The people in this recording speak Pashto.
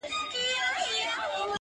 نو دغه نوري شپې بيا څه وكړمه،